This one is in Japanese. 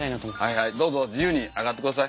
はいはいどうぞ自由に上がってください。